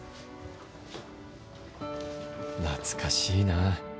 懐かしいな